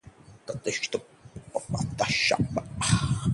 Train के अंदर धूम्रपान करने पर प्रतिबंध लगा हुआ है।